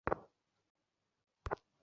যতক্ষণ না আমরা কুকুর নিয়ে যাব!